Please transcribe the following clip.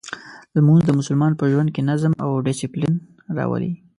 لمونځ د مسلمان په ژوند کې نظم او دسپلین راولي.